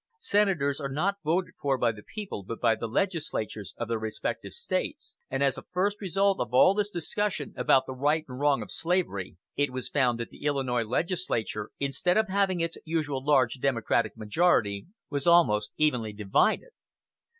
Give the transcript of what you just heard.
Senators are not voted for by the people, but by the legislatures of their respective States and as a first result of all this discussion about the right or wrong of slavery it was found that the Illinois legislature, instead of having its usual large Democratic majority, was almost evenly divided.